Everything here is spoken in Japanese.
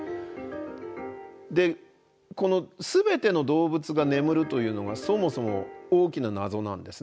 でこの全ての動物が眠るというのがそもそも大きな謎なんですね。